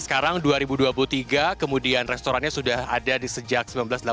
sekarang dua ribu dua puluh tiga kemudian restorannya sudah ada di sejak seribu sembilan ratus delapan puluh